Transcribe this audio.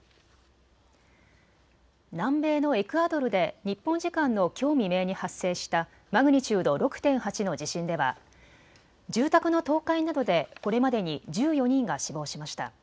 南米のエクアドルで日本時間のきょう未明に発生したマグニチュード６．８の地震では住宅の倒壊などでこれまでに１４人が死亡しました。